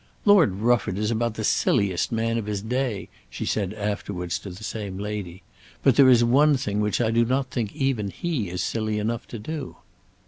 "Lord Rufford is about the silliest man of his day," she said afterwards to the same lady; "but there is one thing which I do not think even he is silly enough to do."